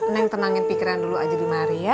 neng tenangin pikiran dulu aja di maria